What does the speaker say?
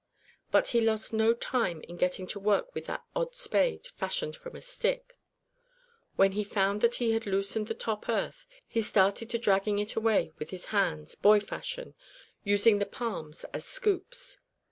But he lost no time in getting to work with that odd spade, fashioned from a stick. When he found that he had loosened the top earth, he started to dragging it away with his hands, boy fashion; using the palms as scoops.